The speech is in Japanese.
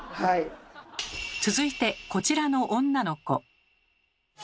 続いてこちらの女の子。